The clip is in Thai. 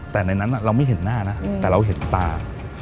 แต่ในนั้นเราไม่เห็นหน้านะแต่เราเห็นตา